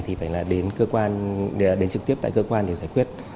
thì phải là đến trực tiếp tại cơ quan để giải quyết